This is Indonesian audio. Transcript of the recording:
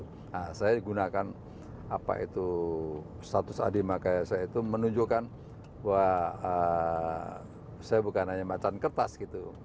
nah saya gunakan apa itu status adi makayasa itu menunjukkan bahwa saya bukan hanya macan kertas gitu